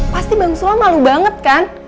pasti bang sula malu banget kan